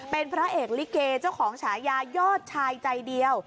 เป็นพระเอกลิเกเจ้าของฉายายอดชายใจเดียว